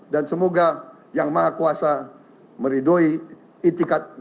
dan semoga yang maha kuasa meridui itikat berikutnya